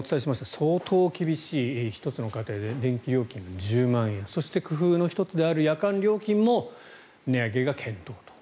相当厳しい１つの家庭で電気料金が１０万円そして工夫の１つである夜間料金も値上げが検討と。